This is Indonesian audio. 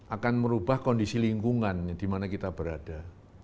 akan merubah kondisi lingkungan di mana kita berada